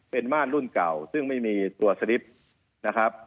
เป็นมาร์ดรุ่นเก่าซึ่งไม่มีตัวสลิฟต์